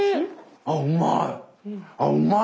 あうまい！